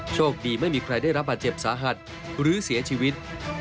โชคดีไม่มีใครได้รับบาดเจ็บสาหัสหรือเสียชีวิต